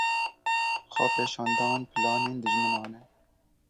Xwepêşandan planên dijminan in.